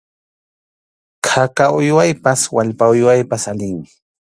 Khaka uywaypas wallpa uywaypas allinmi.